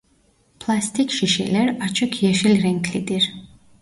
Plastik şişeler açık yeşil renklidir.